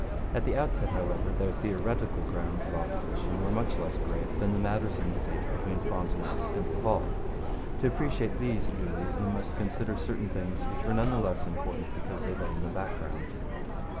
At the outset, however, their theoretical grounds of opposition were much less grave than the matters in debate between Frontenac and Laval. To appreciate these duly we must consider certain things which were none the less important because they lay in the background.